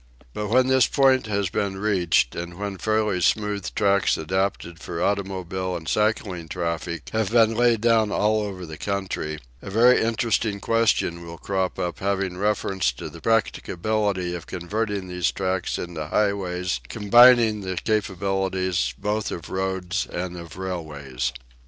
But when this point has been reached, and when fairly smooth tracks adapted for automobile and cycling traffic have been laid down all over the country, a very interesting question will crop up having reference to the practicability of converting these tracks into highways combining the capabilities both of roads and of railways.